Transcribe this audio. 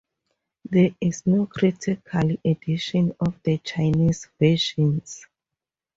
There is no critical edition of the Chinese versions.